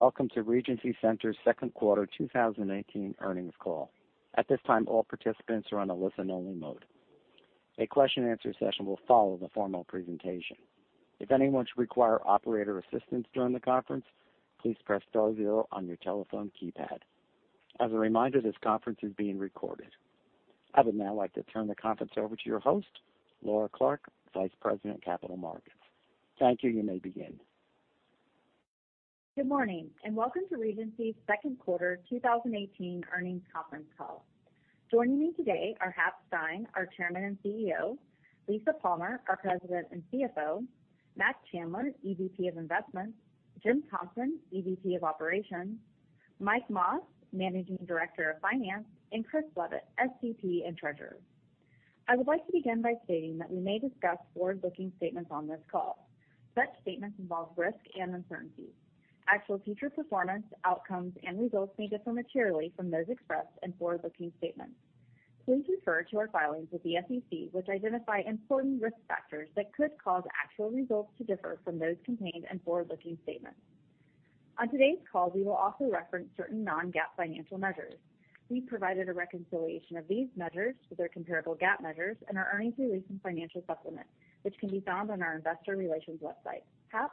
Welcome to Regency Centers' second quarter 2018 earnings call. At this time, all participants are on a listen-only mode. A question-and-answer session will follow the formal presentation. If anyone should require operator assistance during the conference, please press star zero on your telephone keypad. As a reminder, this conference is being recorded. I would now like to turn the conference over to your host, Laura Clark, Vice President of Capital Markets. Thank you. You may begin. Good morning, and welcome to Regency's second quarter 2018 earnings conference call. Joining me today are Hap Stein, our Chairman and CEO; Lisa Palmer, our President and CFO; Mac Chandler, EVP of Investments; Jim Thompson, EVP of Operations; Mike Mas, Managing Director of Finance; and Chris Leavitt, SVP and Treasurer. I would like to begin by stating that we may discuss forward-looking statements on this call. Such statements involve risk and uncertainty. Actual future performance, outcomes, and results may differ materially from those expressed in forward-looking statements. Please refer to our filings with the SEC, which identify important risk factors that could cause actual results to differ from those contained in forward-looking statements. On today's call, we will also reference certain non-GAAP financial measures. We've provided a reconciliation of these measures with their comparable GAAP measures in our earnings release and financial supplement, which can be found on our investor relations website. Hap?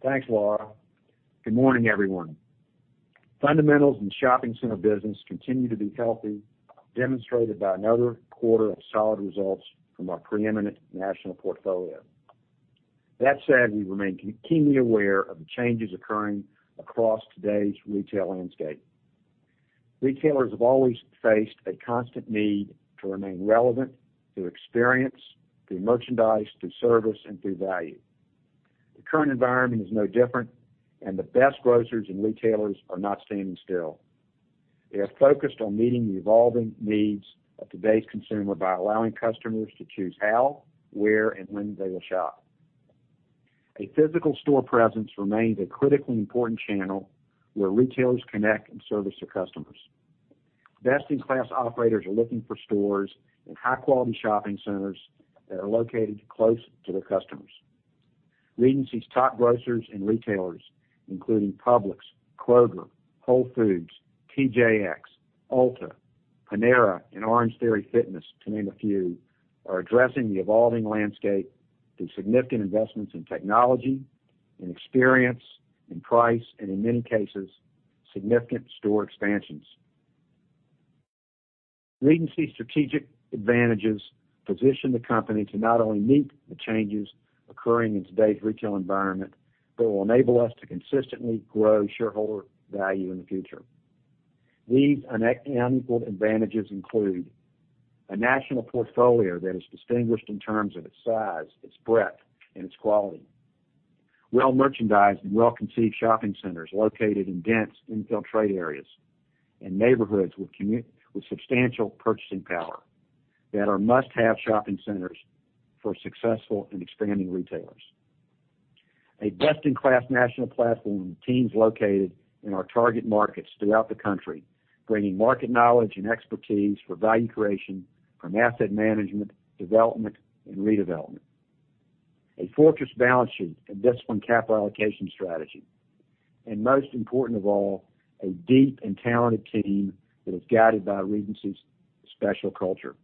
Thanks, Laura. Good morning, everyone. Fundamentals in the shopping center business continue to be healthy, demonstrated by another quarter of solid results from our preeminent national portfolio. That said, we remain keenly aware of the changes occurring across today's retail landscape. Retailers have always faced a constant need to remain relevant through experience, through merchandise, through service, and through value. The current environment is no different, and the best grocers and retailers are not standing still. They are focused on meeting the evolving needs of today's consumer by allowing customers to choose how, where, and when they will shop. A physical store presence remains a critically important channel where retailers connect and service their customers. Best-in-class operators are looking for stores and high-quality shopping centers that are located close to their customers. Regency's top grocers and retailers, including Publix, Kroger, Whole Foods Market, TJX, Ulta Beauty, Panera Bread, and Orangetheory Fitness, to name a few, are addressing the evolving landscape through significant investments in technology, in experience, in price, and in many cases, significant store expansions. Regency's strategic advantages position the company to not only meet the changes occurring in today's retail environment, but will enable us to consistently grow shareholder value in the future. These unequaled advantages include a national portfolio that is distinguished in terms of its size, its breadth, and its quality. Well-merchandised and well-conceived shopping centers located in dense infill trade areas, in neighborhoods with substantial purchasing power that are must-have shopping centers for successful and expanding retailers. A best-in-class national platform with teams located in our target markets throughout the country, bringing market knowledge and expertise for value creation from asset management, development, and redevelopment. A fortress balance sheet, a disciplined capital allocation strategy, and most important of all, a deep and talented team that is guided by Regency's special culture.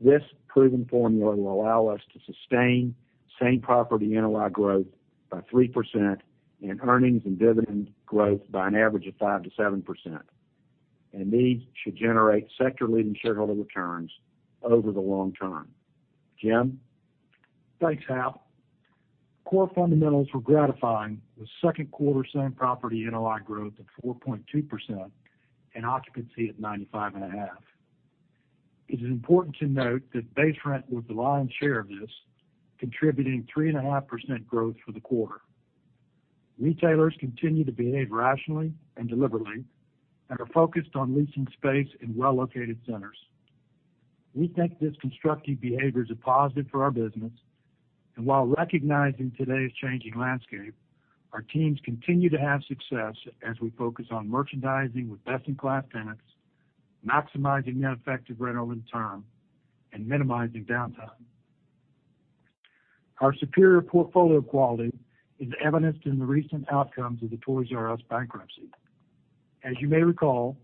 This proven formula will allow us to sustain same-property NOI growth by 3% and earnings and dividend growth by an average of 5%-7%. These should generate sector-leading shareholder returns over the long term. Jim? Thanks, Hap. Core fundamentals were gratifying, with second quarter same-property NOI growth of 4.2% and occupancy at 95.5%. It is important to note that base rent was the lion's share of this, contributing 3.5% growth for the quarter. Retailers continue to behave rationally and deliberately and are focused on leasing space in well-located centers. We think this constructive behavior is a positive for our business. While recognizing today's changing landscape, our teams continue to have success as we focus on merchandising with best-in-class tenants, maximizing net effective rent over time, and minimizing downtime. Our superior portfolio quality is evidenced in the recent outcomes of the Toys"R"Us bankruptcy. As you may recall,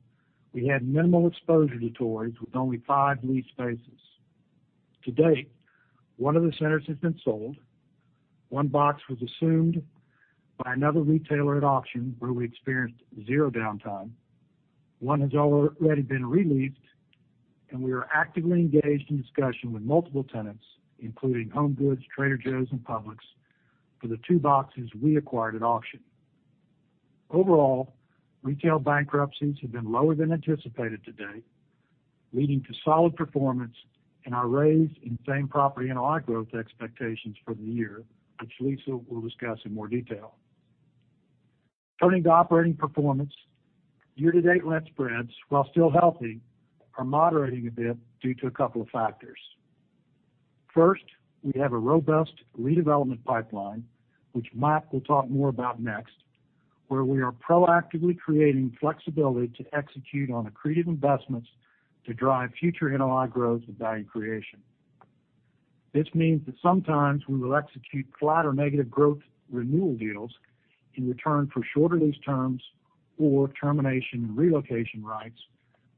we had minimal exposure to Toys"R" Us with only five leased spaces. To date, one of the centers has been sold, one box was assumed by another retailer at auction, where we experienced zero downtime, one has already been re-leased, and we are actively engaged in discussion with multiple tenants, including HomeGoods, Trader Joe's, and Publix, for the two boxes we acquired at auction. Overall, retail bankruptcies have been lower than anticipated to date, leading to solid performance and our raise in same-property NOI growth expectations for the year, which Lisa will discuss in more detail. Turning to operating performance, year-to-date rent spreads, while still healthy, are moderating a bit due to a couple of factors. First, we have a robust redevelopment pipeline, which Mike will talk more about next, where we are proactively creating flexibility to execute on accretive investments to drive future NOI growth and value creation. This means that sometimes we will execute flat or negative growth renewal deals in return for shorter lease terms or termination and relocation rights,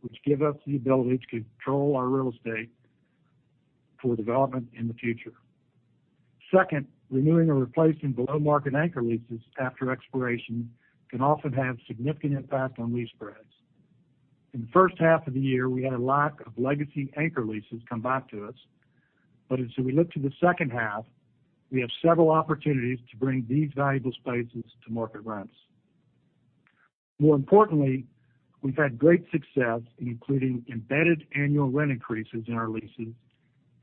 which give us the ability to control our real estate for development in the future. Second, renewing or replacing below-market anchor leases after expiration can often have a significant impact on lease spreads. In the first half of the year, we had a lack of legacy anchor leases come back to us, but as we look to the second half, we have several opportunities to bring these valuable spaces to market rents. More importantly, we've had great success in including embedded annual rent increases in our leases,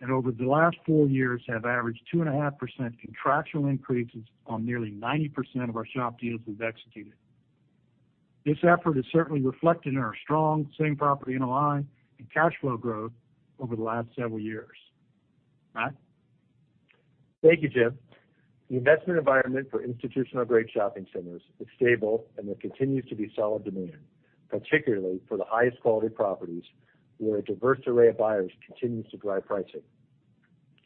and over the last four years have averaged 2.5% contractual increases on nearly 90% of our shop deals we've executed. This effort is certainly reflected in our strong same-property NOI and cash flow growth over the last several years. Mac? Thank you, Jim. The investment environment for institutional-grade shopping centers is stable, and there continues to be solid demand, particularly for the highest quality properties, where a diverse array of buyers continues to drive pricing.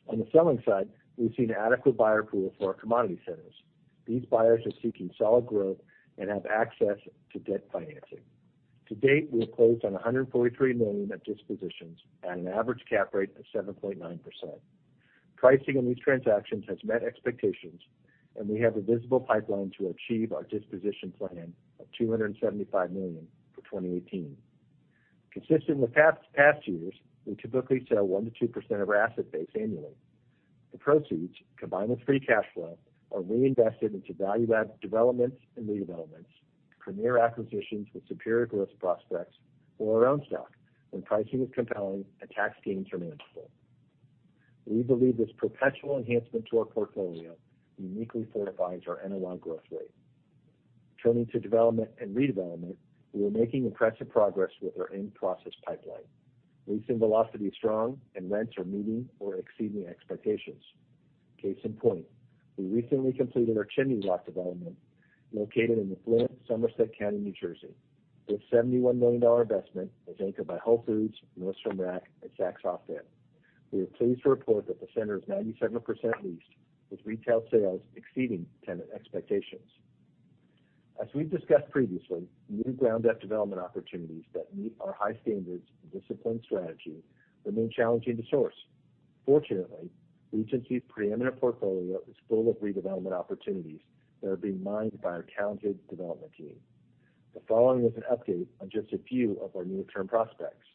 On the selling side, we've seen adequate buyer pool for our commodity centers. These buyers are seeking solid growth and have access to debt financing. To date, we have closed on $143 million of dispositions at an average cap rate of 7.9%. Pricing on these transactions has met expectations, and we have a visible pipeline to achieve our disposition plan of $275 million for 2018. Consistent with past years, we typically sell 1%-2% of our asset base annually. The proceeds, combined with free cash flow, are reinvested into value-add developments and redevelopments, premier acquisitions with superior growth prospects or our own stock when pricing is compelling and tax gains are manageable. We believe this perpetual enhancement to our portfolio uniquely fortifies our NOI growth rate. Turning to development and redevelopment, we are making impressive progress with our in-process pipeline. Leasing velocity is strong, and rents are meeting or exceeding expectations. Case in point, we recently completed our Chimney Rock development located in the affluent Somerset County, New Jersey. This $71 million investment is anchored by Whole Foods, Nordstrom Rack, and Saks OFF 5TH. We are pleased to report that the center is 97% leased, with retail sales exceeding tenant expectations. As we've discussed previously, new ground-up development opportunities that meet our high standards and disciplined strategy remain challenging to source. Fortunately, Regency's preeminent portfolio is full of redevelopment opportunities that are being mined by our talented development team. The following is an update on just a few of our near-term prospects.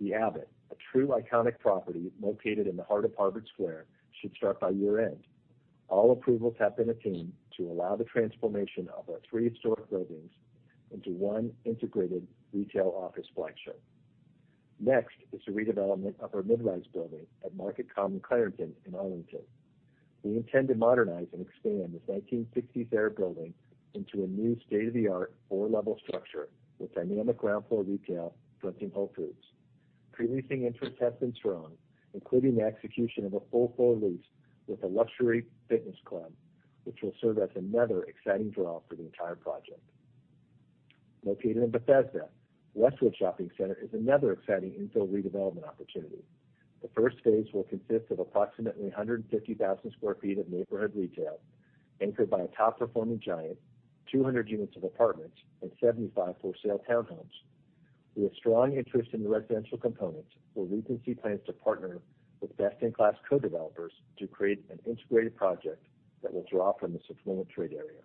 The Abbot, a true iconic property located in the heart of Harvard Square, should start by year-end. All approvals have been obtained to allow the transformation of our three historic buildings into one integrated retail office flagship. Next is the redevelopment of our mid-rise building at Market Common Clarendon in Arlington. We intend to modernize and expand this 1960s-era building into a new state-of-the-art 4-level structure with dynamic ground floor retail fronting Whole Foods. Pre-leasing interest has been strong, including the execution of a full-floor lease with a luxury fitness club, which will serve as another exciting draw for the entire project. Located in Bethesda, Westwood Shopping Center is another exciting infill redevelopment opportunity. The first phase will consist of approximately 150,000 sq ft of neighborhood retail, anchored by a top-performing Giant, 200 units of apartments, and 75 for-sale townhomes. With strong interest in the residential component, where Regency plans to partner with best-in-class co-developers to create an integrated project that will draw from the surrounding trade area.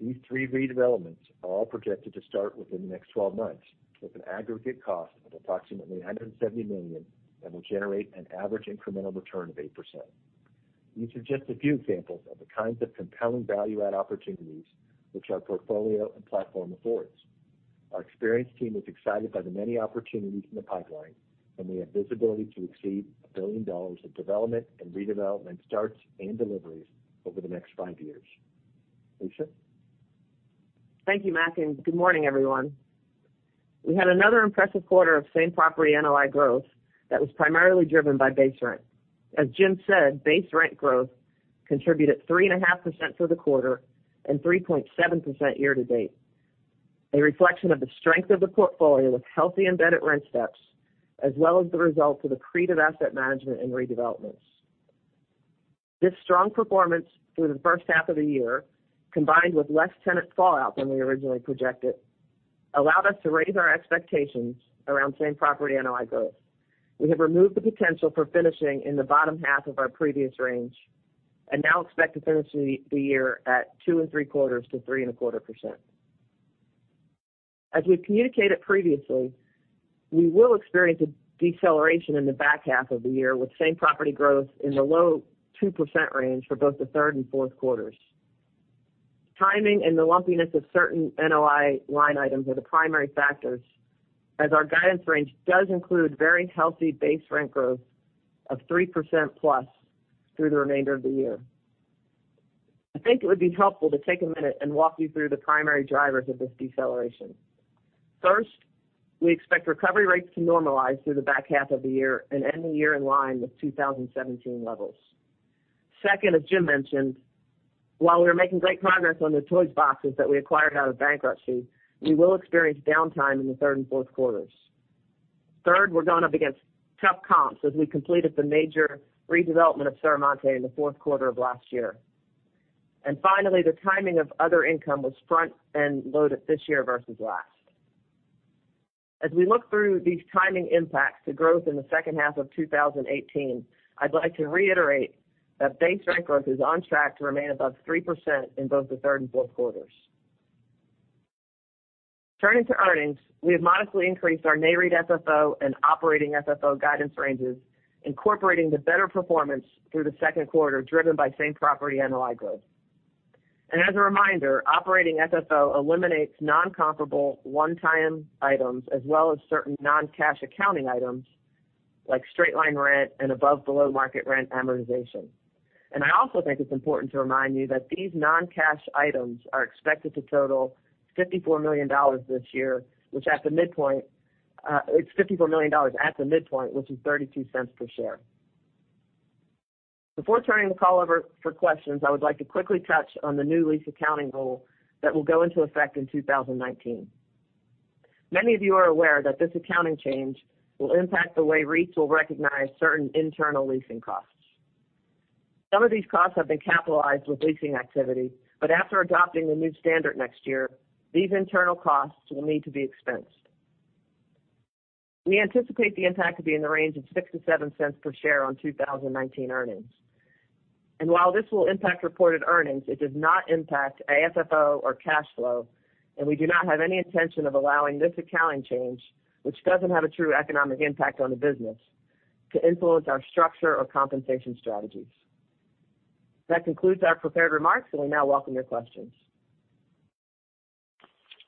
These three redevelopments are all projected to start within the next 12 months with an aggregate cost of approximately $170 million and will generate an average incremental return of 8%. These are just a few examples of the kinds of compelling value-add opportunities which our portfolio and platform affords. Our experienced team is excited by the many opportunities in the pipeline, and we have visibility to exceed $1 billion of development and redevelopment starts and deliveries over the next five years. Lisa? Thank you, Mac, and good morning, everyone. We had another impressive quarter of same-property NOI growth that was primarily driven by base rent. As Jim said, base rent growth contributed 3.5% for the quarter and 3.7% year-to-date. A reflection of the strength of the portfolio with healthy embedded rent steps, as well as the result of accretive asset management and redevelopments. This strong performance through the first half of the year, combined with less tenant fallout than we originally projected, allowed us to raise our expectations around same-property NOI growth. We have removed the potential for finishing in the bottom half of our previous range and now expect to finish the year at 2.75%-3.25%. As we communicated previously, we will experience a deceleration in the back half of the year with same-property growth in the low 2% range for both the third and fourth quarters. Timing and the lumpiness of certain NOI line items are the primary factors, as our guidance range does include very healthy base rent growth of 3% plus through the remainder of the year. I think it would be helpful to take a minute and walk you through the primary drivers of this deceleration. First, we expect recovery rates to normalize through the back half of the year and end the year in line with 2017 levels. Second, as Jim mentioned, while we were making great progress on the Toys boxes that we acquired out of bankruptcy, we will experience downtime in the third and fourth quarters. Third, we're going up against tough comps as we completed the major redevelopment of Serramonte in the fourth quarter of last year. Finally, the timing of other income was front-end loaded this year versus last. As we look through these timing impacts to growth in the second half of 2018, I'd like to reiterate that base rent growth is on track to remain above 3% in both the third and fourth quarters. Turning to earnings, we have modestly increased our NAREIT FFO and operating FFO guidance ranges, incorporating the better performance through the second quarter, driven by same-property NOI growth. As a reminder, operating FFO eliminates non-comparable one-time items as well as certain non-cash accounting items like straight-line rent and above/below market rent amortization. I also think it's important to remind you that these non-cash items are expected to total $54 million this year, which is $54 million at the midpoint, which is $0.32 per share. Before turning the call over for questions, I would like to quickly touch on the new lease accounting rule that will go into effect in 2019. Many of you are aware that this accounting change will impact the way REITs will recognize certain internal leasing costs. Some of these costs have been capitalized with leasing activity, but after adopting the new standard next year, these internal costs will need to be expensed. We anticipate the impact to be in the range of $0.06-$0.07 per share on 2019 earnings. While this will impact reported earnings, it does not impact AFFO or cash flow, and we do not have any intention of allowing this accounting change, which doesn't have a true economic impact on the business, to influence our structure or compensation strategies. That concludes our prepared remarks, and we now welcome your questions.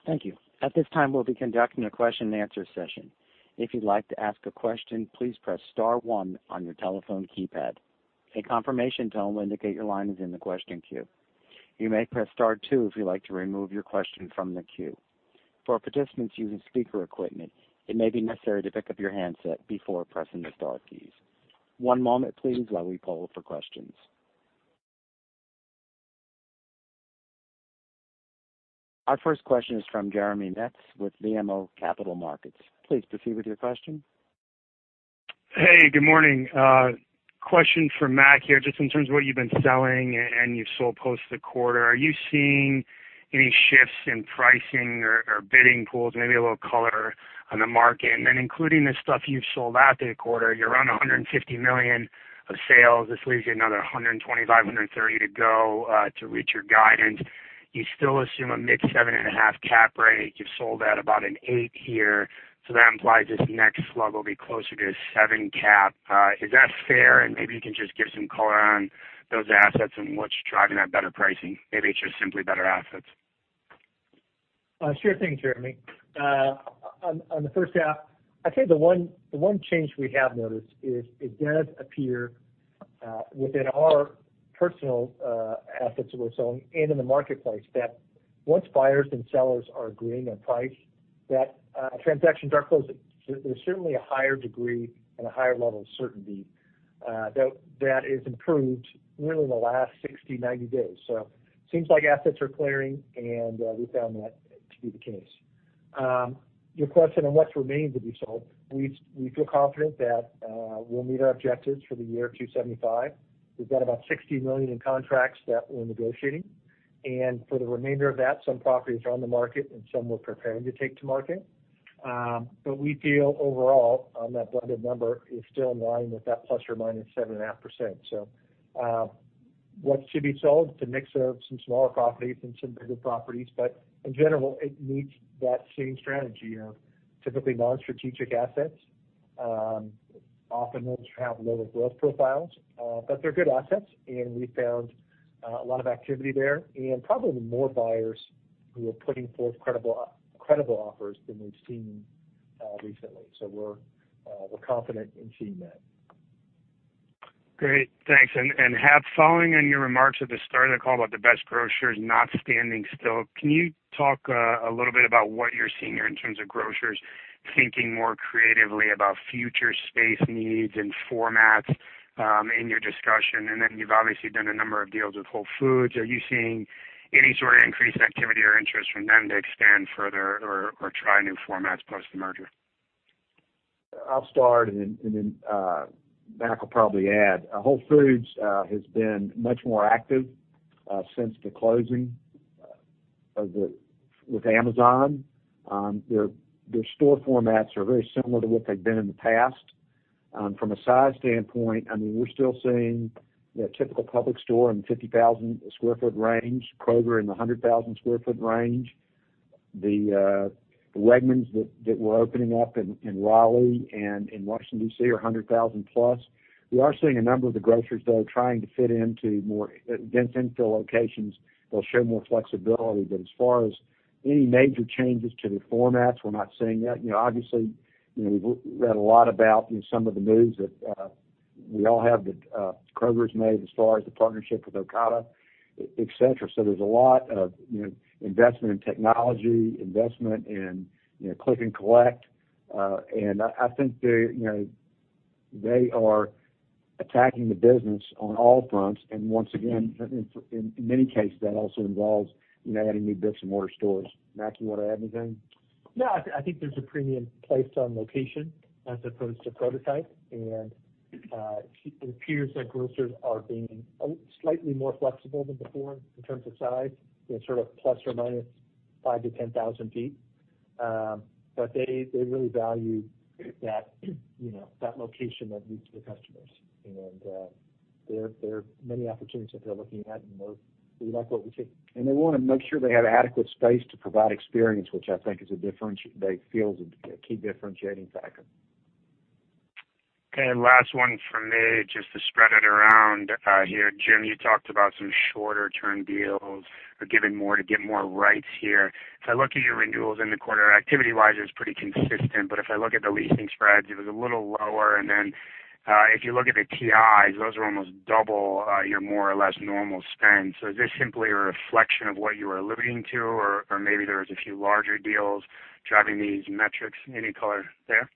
Thank you. At this time, we'll be conducting a question and answer session. If you'd like to ask a question, please press *1 on your telephone keypad. A confirmation tone will indicate your line is in the question queue. You may press *2 if you'd like to remove your question from the queue. For participants using speaker equipment, it may be necessary to pick up your handset before pressing the star keys. One moment please while we poll for questions. Our first question is from Jeremy Metz with BMO Capital Markets. Please proceed with your question. Hey, good morning. Question for Mac here, just in terms of what you've been selling and you've sold post the quarter. Are you seeing any shifts in pricing or bidding pools? Maybe a little color on the market. Then including the stuff you've sold out through the quarter, you're around $150 million of sales. This leaves you another $125 million-$130 million to go to reach your guidance. You still assume a mid seven and a half cap rate. You've sold at about an 8% here, so that implies this next slug will be closer to a 7% cap. Is that fair? Maybe you can just give some color on those assets and what's driving that better pricing. Maybe it's just simply better assets. Sure thing, Jeremy. On the first half, I'd say the one change we have noticed is it does appear, within our personal assets that we're selling and in the marketplace, that once buyers and sellers are agreeing on price, transactions are closing. There's certainly a higher degree and a higher level of certainty that has improved really in the last 60-90 days. Seems like assets are clearing, and we found that to be the case. Your question on what remains to be sold, we feel confident that we'll meet our objectives for the year of $275. We've got about $60 million in contracts that we're negotiating. For the remainder of that, some properties are on the market and some we're preparing to take to market. We feel overall on that blended number is still in line with that ±7.5%. What should be sold is a mix of some smaller properties and some bigger properties. In general, it meets that same strategy of typically non-strategic assets. Often those have lower growth profiles, but they're good assets, and we found a lot of activity there and probably more buyers who are putting forth credible offers than we've seen recently. We're confident in seeing that. Great. Thanks. Hap, following on your remarks at the start of the call about the best grocers not standing still, can you talk a little bit about what you're seeing there in terms of grocers thinking more creatively about future space needs and formats in your discussion? Then you've obviously done a number of deals with Whole Foods. Are you seeing any sort of increased activity or interest from them to expand further or try new formats post the merger? I'll start and then Mac will probably add. Whole Foods has been much more active since the closing with Amazon. Their store formats are very similar to what they've been in the past. From a size standpoint, we're still seeing a typical Publix store in the 50,000 sq ft range, Kroger in the 100,000 sq ft range. The Wegmans that we're opening up in Raleigh and in Washington, D.C., are 100,000+. We are seeing a number of the grocers, though, trying to fit into more dense infill locations. They'll show more flexibility, but as far as any major changes to the formats, we're not seeing that. Obviously, we've read a lot about some of the moves that we all have that Kroger's made as far as the partnership with Ocado, et cetera. There's a lot of investment in technology, investment in click and collect I think they are attacking the business on all fronts. Once again, in many cases, that also involves adding new bricks and mortar stores. Mac, you want to add anything? No, I think there's a premium placed on location as opposed to prototype. It appears that grocers are being slightly more flexible than before in terms of size, sort of plus or minus 5,000-10,000 feet. They really value that location that meets the customers. There are many opportunities that they're looking at, and we like what we see. They want to make sure they have adequate space to provide experience, which I think they feel is a key differentiating factor. Last one from me, just to spread it around here. Jim, you talked about some shorter-term deals or giving more to get more rights here. If I look at your renewals in the quarter, activity-wise, it was pretty consistent. If I look at the leasing spreads, it was a little lower. If you look at the TIs, those are almost double your more or less normal spend. Is this simply a reflection of what you are alluding to? Or maybe there's a few larger deals driving these metrics? Any color there?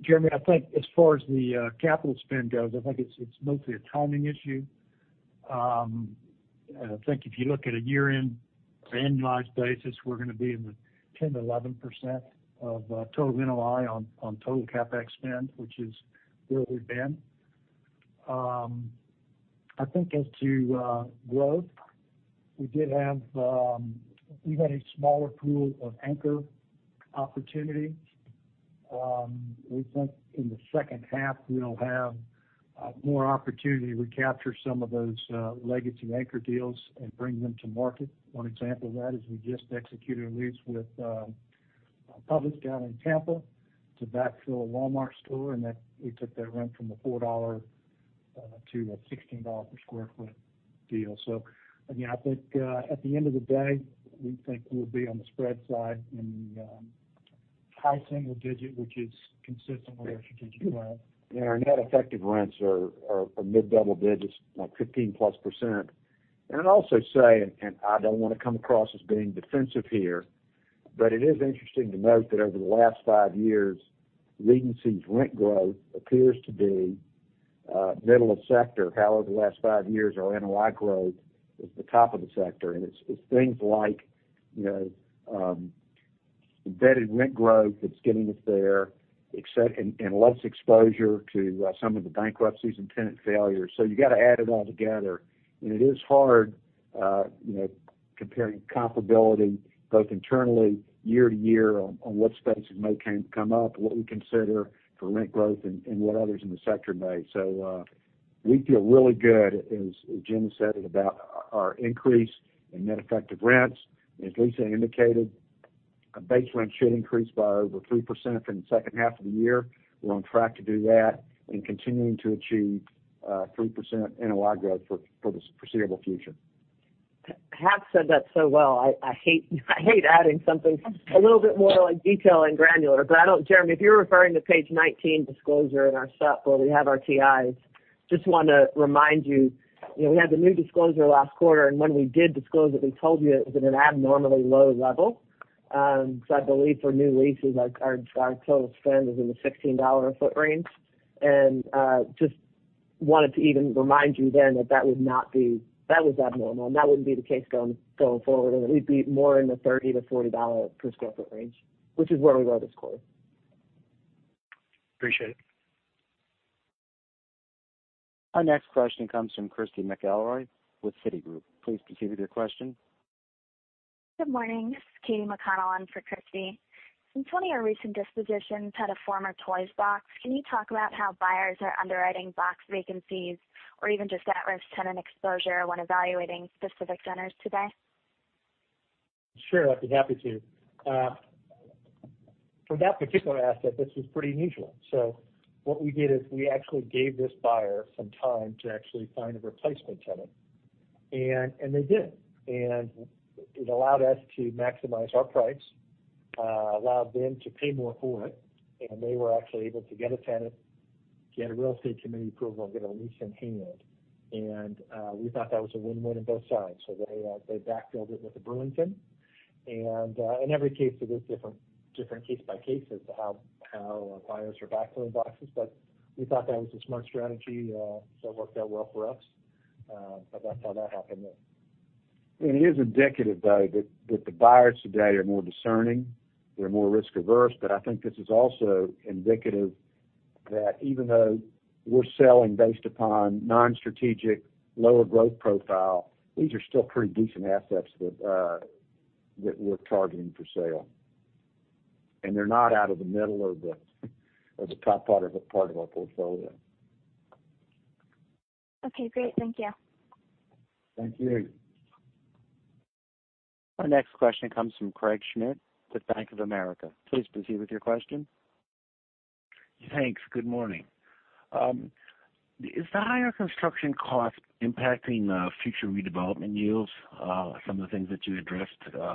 Jeremy, I think as far as the capital spend goes, I think it's mostly a timing issue. I think if you look at a year-end annualized basis, we're going to be in the 10%-11% of total NOI on total CapEx spend, which is where we've been. I think as to growth, we've had a smaller pool of anchor opportunities. We think in the second half, we'll have more opportunity to recapture some of those legacy anchor deals and bring them to market. One example of that is we just executed a lease with a Publix down in Tampa to backfill a Walmart store, and that we took that rent from a $4 to a $16 per square foot deal. Again, I think at the end of the day, we think we'll be on the spread side in high single-digit, which is consistent with our strategic plan. Yeah, our net effective rents are mid-double-digits, like 15%+. I'd also say, and I don't want to come across as being defensive here, but it is interesting to note that over the last five years, Regency's rent growth appears to be middle of sector. However, the last five years, our NOI growth is the top of the sector. It's things like embedded rent growth that's getting us there, and less exposure to some of the bankruptcies and tenant failures. You got to add it all together. It is hard comparing comparability both internally year-to-year on what spaces may come up, what we consider for rent growth, and what others in the sector may. We feel really good, as Jim said, about our increase in net effective rents. As Lisa indicated, base rent should increase by over 3% in the second half of the year. We're on track to do that and continuing to achieve 3% NOI growth for the foreseeable future. Hap said that so well. I hate adding something a little bit more detailed and granular, but Jeremy, if you're referring to page 19 disclosure in our Supp, where we have our TIs, just want to remind you, we had the new disclosure last quarter, and when we did disclose it, we told you it was at an abnormally low level. I believe for new leases, our total spend is in the $16 a foot range. And just wanted to even remind you then that was abnormal, and that wouldn't be the case going forward, and that we'd be more in the $30-$40 per square foot range, which is where we were this quarter. Appreciate it. Our next question comes from Christy McElroy with Citigroup. Please proceed with your question. Good morning. This is Katy McConnell in for Christy. Since one of your recent dispositions had a former Toys box, can you talk about how buyers are underwriting box vacancies or even just at-risk tenant exposure when evaluating specific centers today? Sure, I'd be happy to. For that particular asset, this was pretty unusual. What we did is we actually gave this buyer some time to actually find a replacement tenant. They did. It allowed us to maximize our price, allowed them to pay more for it, and they were actually able to get a tenant, get a real estate committee approval, get a lease in hand. We thought that was a win-win on both sides. They backfilled it with a Burlington, and in every case, it is different case by case as to how buyers are backfilling boxes. We thought that was a smart strategy, so it worked out well for us. That's how that happened there. It is indicative, though, that the buyers today are more discerning. They're more risk averse, I think this is also indicative that even though we're selling based upon non-strategic, lower growth profile, these are still pretty decent assets that we're targeting for sale. They're not out of the middle or the top part of our portfolio. Okay, great. Thank you. Thank you. Our next question comes from Craig Schmidt with Bank of America. Please proceed with your question. Thanks. Good morning. Is the higher construction cost impacting future redevelopment yields, some of the things that you addressed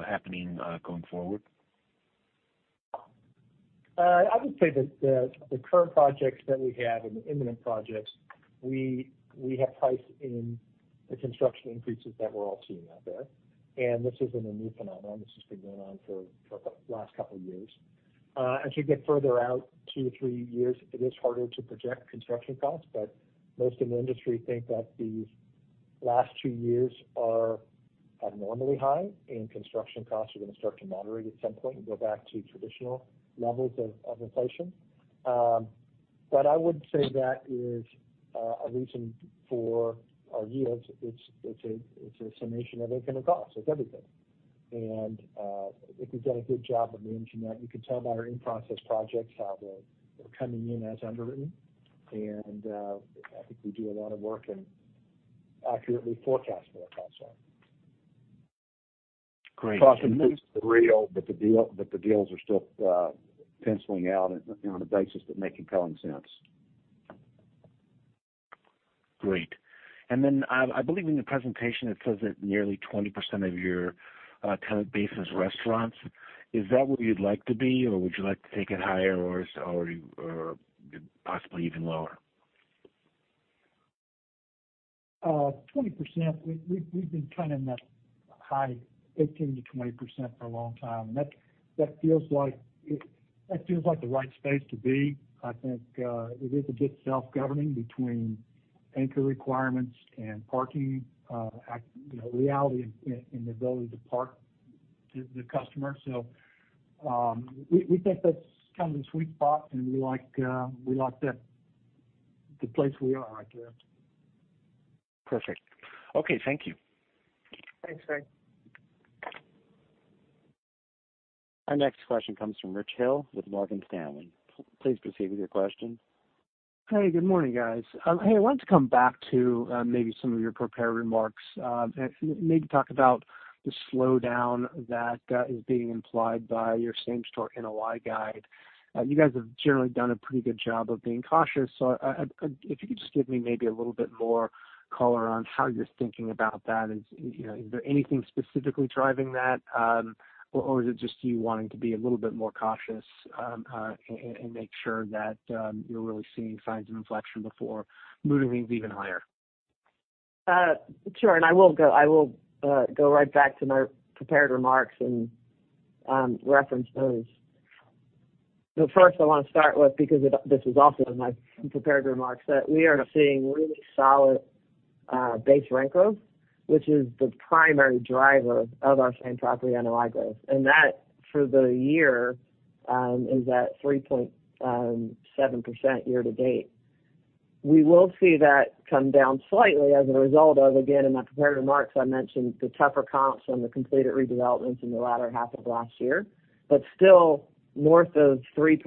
happening going forward? I would say that the current projects that we have and the imminent projects, we have priced in the construction increases that we're all seeing out there. This isn't a new phenomenon. This has been going on for the last couple of years. As you get further out two, three years, it is harder to project construction costs. Most in the industry think that these last two years are abnormally high, and construction costs are going to start to moderate at some point and go back to traditional levels of inflation. I would say that is a reason for our yields. It's a summation of income costs. It's everything. I think we've done a good job of managing that. You can tell by our in-process projects how they're coming in as underwritten. I think we do a lot of work in accurately forecasting our costs. Great. Costs are real, but the deals are still penciling out on a basis that make common sense. Great. I believe in the presentation it says that nearly 20% of your tenant base is restaurants. Is that where you'd like to be, or would you like to take it higher, or possibly even lower? 20%. We've been kind of in that high 18%-20% for a long time. That feels like the right space to be. I think it is a bit self-governing between anchor requirements and parking reality and the ability to park the customer. We think that's kind of the sweet spot, and we like the place we are right there. Perfect. Okay. Thank you. Thanks, Craig. Our next question comes from Rich Hill with Morgan Stanley. Please proceed with your question. Good morning, guys. I wanted to come back to maybe some of your prepared remarks. Maybe talk about the slowdown that is being implied by your same-store NOI guide. You guys have generally done a pretty good job of being cautious. If you could just give me maybe a little bit more color on how you are thinking about that. Is there anything specifically driving that, or is it just you wanting to be a little bit more cautious and make sure that you are really seeing signs of inflection before moving these even higher? Sure. I will go right back to my prepared remarks and reference those. First, I want to start with, because this was also in my prepared remarks, that we are seeing really solid base rent growth, which is the primary driver of our same property NOI growth. That for the year is at 3.7% year-to-date. We will see that come down slightly as a result of, again, in my prepared remarks, I mentioned the tougher comps from the completed redevelopments in the latter half of last year, but still north of 3%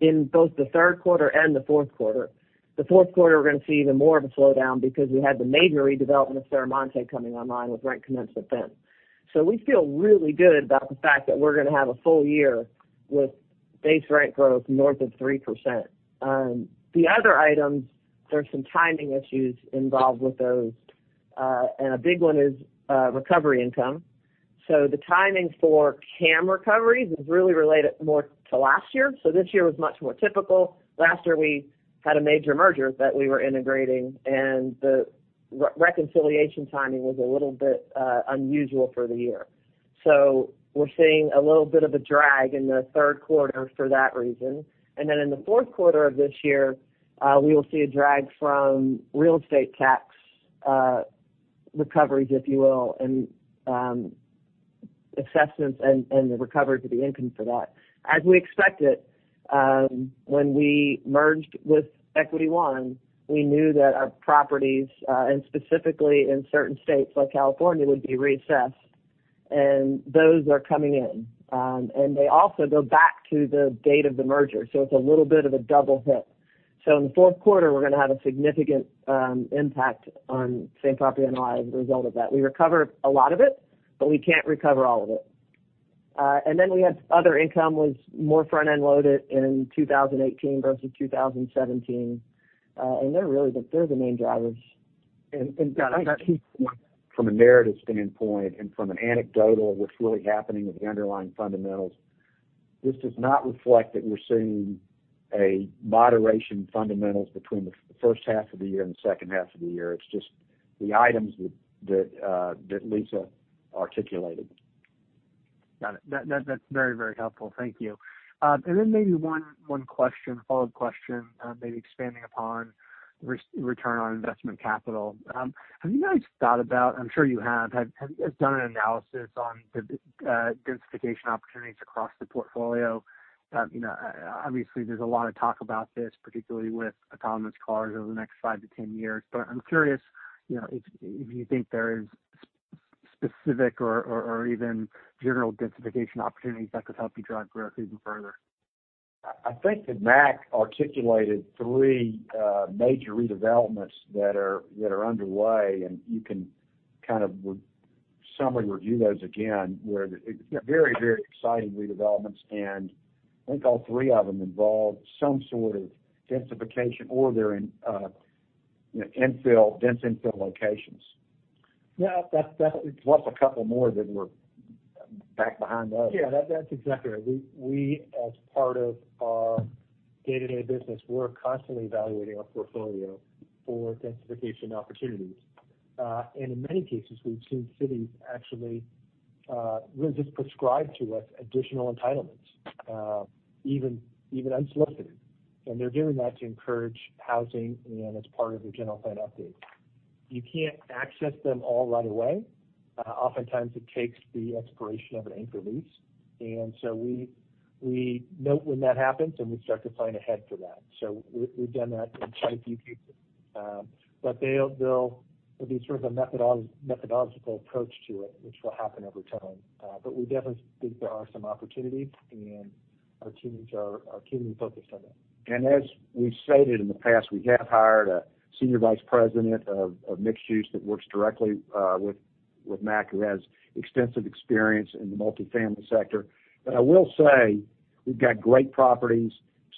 in both the third quarter and the fourth quarter. The fourth quarter, we are going to see even more of a slowdown because we had the major redevelopment of Serramonte coming online with rent commencement then. We feel really good about the fact that we are going to have a full year with base rent growth north of 3%. The other items, there is some timing issues involved with those. A big one is recovery income. The timing for CAM recoveries is really related more to last year. This year was much more typical. Last year, we had a major merger that we were integrating, and the reconciliation timing was a little bit unusual for the year. We are seeing a little bit of a drag in the third quarter for that reason. In the fourth quarter of this year, we will see a drag from real estate tax recoveries, if you will, and assessments and the recovery to the income for that. As we expected when we merged with Equity One, we knew that our properties, and specifically in certain states like California, would be reassessed, and those are coming in. They also go back to the date of the merger. It is a little bit of a double hit. In the fourth quarter, we are going to have a significant impact on same property NOI as a result of that. We recover a lot of it, but we cannot recover all of it. We had other income was more front-end loaded in 2018 versus 2017. They are the main drivers. Scott, I think from a narrative standpoint and from an anecdotal, what's really happening with the underlying fundamentals, this does not reflect that we're seeing a moderation in fundamentals between the first half of the year and the second half of the year. It's just the items that Lisa articulated. Got it. That's very helpful. Thank you. Maybe one follow-up question maybe expanding upon return on investment capital. Have you guys thought about, I'm sure you have done an analysis on the densification opportunities across the portfolio? Obviously, there's a lot of talk about this, particularly with autonomous cars over the next 5-10 years, but I'm curious if you think there is specific or even general densification opportunities that could help you drive growth even further. I think that Mac articulated three major redevelopments that are underway, you can kind of summary review those again, where very exciting redevelopments, I think all three of them involve some sort of densification or they're in dense infill locations. Yeah. Plus a couple more that were back behind those. Yeah. That's exactly right. We, as part of our day-to-day business, we're constantly evaluating our portfolio for densification opportunities. In many cases, we've seen cities actually will just prescribe to us additional entitlements, even unsolicited. They're doing that to encourage housing and as part of the general plan update. You can't access them all right away. Oftentimes, it takes the expiration of an anchor lease, we note when that happens, and we start to plan ahead for that. We've done that in quite a few cases. There'll be sort of a methodological approach to it, which will happen over time. We definitely think there are some opportunities, and our teams are keenly focused on that. As we've stated in the past, we have hired a senior vice president of mixed use that works directly with Mac, who has extensive experience in the multifamily sector. I will say we've got great properties,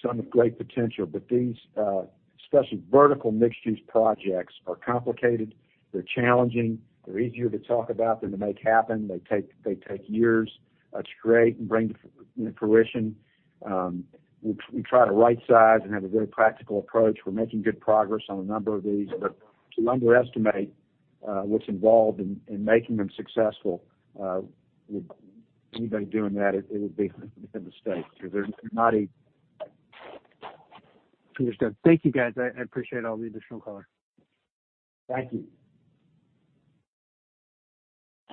some with great potential. These, especially vertical mixed-use projects, are complicated. They're challenging. They're easier to talk about than to make happen. They take years to create and bring to fruition. We try to right size and have a very practical approach. We're making good progress on a number of these, but to underestimate what's involved in making them successful, anybody doing that, it would be a mistake because they're not a Understood. Thank you, guys. I appreciate all the additional color. Thank you.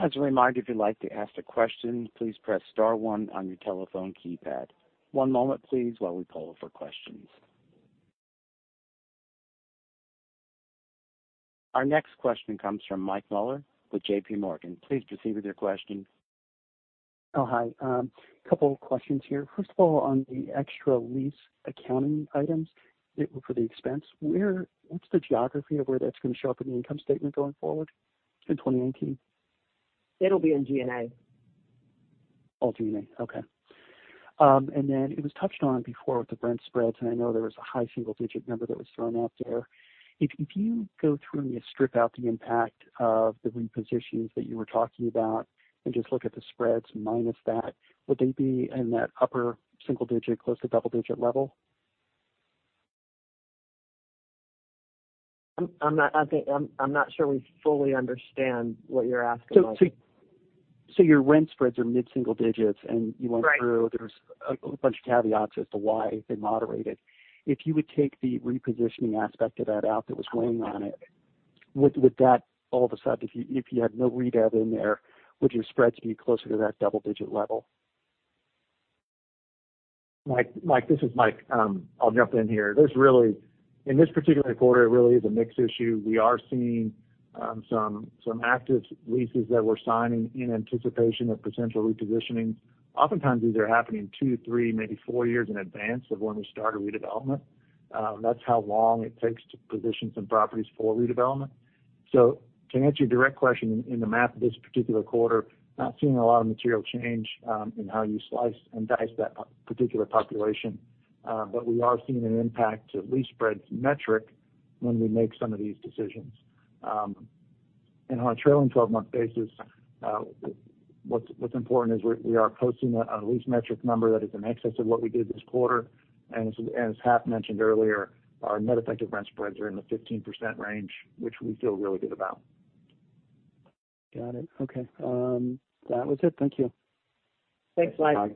As a reminder, if you'd like to ask a question, please press star one on your telephone keypad. One moment please while we poll for questions. Our next question comes from Mike Mueller with J.P. Morgan. Please proceed with your question. Oh, hi. Couple of questions here. First of all, on the extra lease accounting items for the expense, what's the geography of where that's going to show up in the income statement going forward in 2019? It'll be in G&A. All G&A. Okay. Then it was touched on before with the rent spreads, and I know there was a high single-digit number that was thrown out there. If you go through and you strip out the impact of the repositions that you were talking about and just look at the spreads minus that, would they be in that upper single digit, close to double-digit level? I'm not sure we fully understand what you're asking, Mike. Your rent spreads are mid-single digits. Right. There's a bunch of caveats as to why they moderated. If you would take the repositioning aspect of that out that was weighing on it, would that all of a sudden, if you had no rev in there, would your spreads be closer to that double-digit level? Mike, this is Mike. I'll jump in here. In this particular quarter, it really is a mix issue. We are seeing some active leases that we're signing in anticipation of potential repositioning. Oftentimes, these are happening two to three, maybe four years in advance of when we start a redevelopment. That's how long it takes to position some properties for redevelopment. To answer your direct question, in the math of this particular quarter, not seeing a lot of material change in how you slice and dice that particular population. We are seeing an impact to the lease spreads metric when we make some of these decisions. On a trailing 12-month basis, what's important is we are posting a lease metric number that is in excess of what we did this quarter. As Hap mentioned earlier, our net effective rent spreads are in the 15% range, which we feel really good about. Got it. Okay. That was it. Thank you. Thanks, Mike. Bye.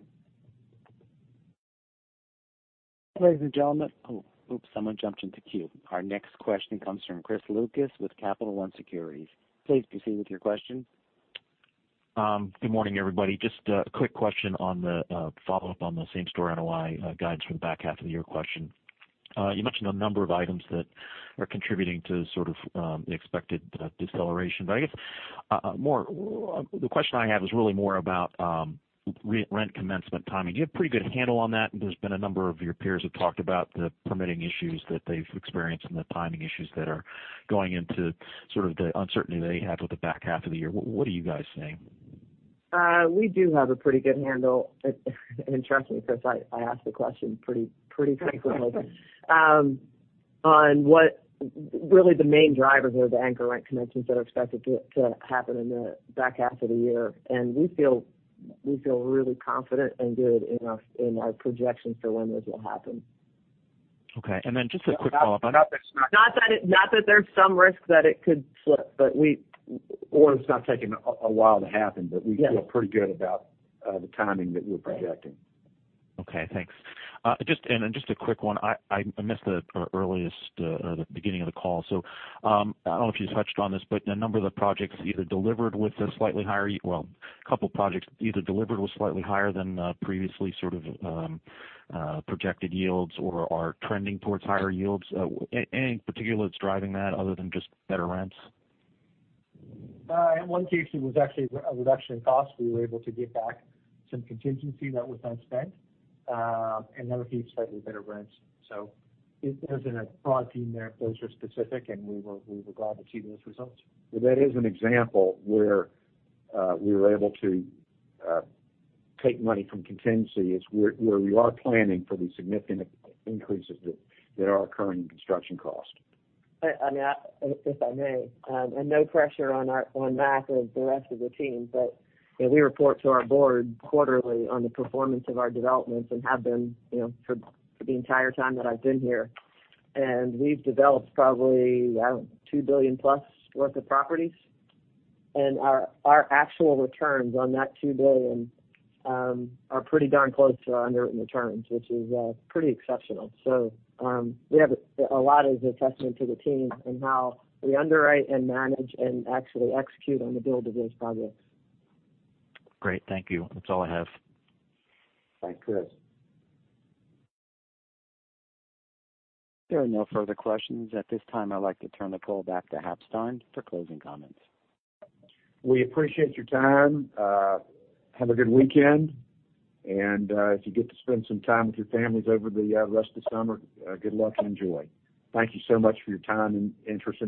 Ladies and gentlemen Oh, oops, someone jumped into queue. Our next question comes from Chris Lucas with Capital One Securities. Please proceed with your question. Good morning, everybody. Just a quick question on the follow-up on the same store NOI guidance for the back half of the year question. You mentioned a number of items that are contributing to sort of the expected deceleration. I guess, the question I have is really more about rent commencement timing. Do you have a pretty good handle on that? There's been a number of your peers who have talked about the permitting issues that they've experienced and the timing issues that are going into sort of the uncertainty they have with the back half of the year. What are you guys seeing? We do have a pretty good handle, and trust me, because I ask the question pretty frequently, on what really the main drivers are of the anchor rent commitments that are expected to happen in the back half of the year. We feel really confident and good in our projections for when those will happen. Okay. Just a quick follow-up on- Not that there's some risk that it could slip, but we- It's not taking a while to happen, but we feel pretty good about the timing that we're projecting. Okay, thanks. Just a quick one. I missed the earliest or the beginning of the call, so I don't know if you touched on this, but a couple projects either delivered with slightly higher than previously sort of projected yields or are trending towards higher yields. Anything particular that's driving that other than just better rents? In one case, it was actually a reduction in cost. We were able to give back some contingency that was unspent. The other piece, slightly better rents. There's a broad theme there. Those are specific, and we were glad to achieve those results. That is an example where we were able to take money from contingency is where we are planning for the significant increases that are occurring in construction cost. If I may, no pressure on Mac or the rest of the team, we report to our board quarterly on the performance of our developments and have been for the entire time that I've been here. We've developed probably, I don't know, $2 billion plus worth of properties. Our actual returns on that $2 billion are pretty darn close to our underwritten returns, which is pretty exceptional. A lot is a testament to the team and how we underwrite and manage and actually execute on the build of those projects. Great. Thank you. That's all I have. Thanks, Chris. There are no further questions. At this time, I'd like to turn the call back to Hap Stein for closing comments. We appreciate your time. Have a good weekend. If you get to spend some time with your families over the rest of the summer, good luck and enjoy. Thank you so much for your time and interest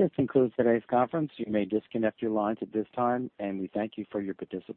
in Regency. This concludes today's conference. You may disconnect your lines at this time, and we thank you for your participation.